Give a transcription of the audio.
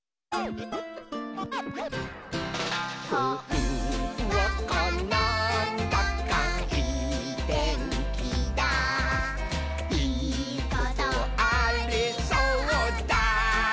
「ほんわかなんだかいいてんきだいいことありそうだ！」